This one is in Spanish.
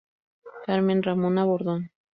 Carmen Ramona Bordón.